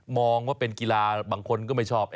มองว่าเป็นกีฬาบางคนก็ไม่ชอบ